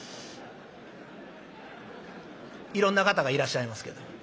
いろんな方がいらっしゃいますけど。